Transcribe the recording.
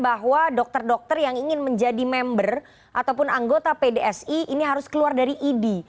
bahwa dokter dokter yang ingin menjadi member ataupun anggota pdsi ini harus keluar dari idi